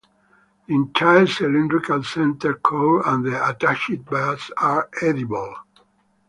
The entire cylindrical center core and the attached base are edible.